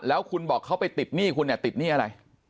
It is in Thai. แล้วคุณบอกเขาไปติดหนี้คุณเนี่ยติดหนี้อะไร